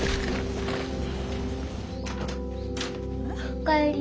お帰り。